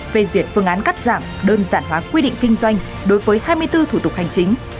về duyệt phương án cắt giảm đơn giản hóa quy định kinh doanh đối với hai mươi bốn thủ tục hành chính